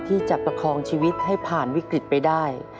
ประคองชีวิตให้ผ่านวิกฤตไปได้